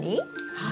はい。